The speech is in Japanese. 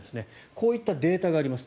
こういったデータがあります。